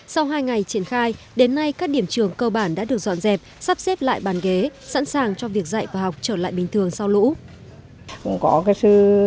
sau hai ngày triển khai đến nay các điểm trường cơ bản đã được dọn dẹp sắp xếp lại bàn ghế sẵn sàng cho việc dạy và học trở lại bình thường sau lũ